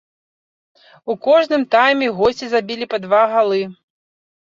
У кожным тайме госці забілі па два галы.